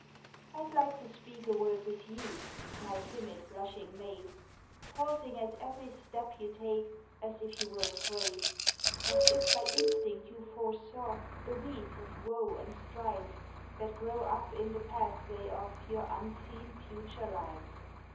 I'd like to speak a word with you, my timid blushing maid Pausing at every step you take as if you were afraid! As if by instinct you foresaw the weeds of woe and strife, That grow up in the pathway of your unseen future life.